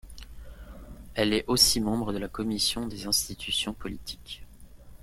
Elle est aussi membre de la commission des institutions politiques.